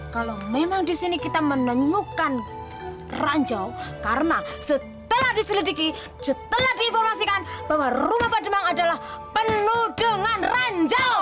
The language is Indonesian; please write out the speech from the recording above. kalau memang di sini kita menemukan ranjau karena setelah diselidiki setelah diinformasikan bahwa rumah pademang adalah penuh dengan ranjau